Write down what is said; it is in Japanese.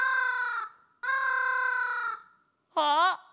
あっ！